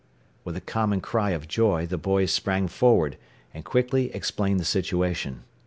With a common cry of joy the boys sprang forward, and quickly explained the situation.